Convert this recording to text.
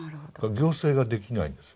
行政ができないんです。